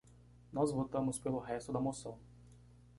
Nós votamos pelo resto da moção.